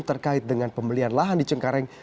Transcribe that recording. terkait dengan pembelian lahan di cengkareng